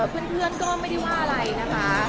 เพื่อนก็ไม่ได้ว่าอะไรนะคะ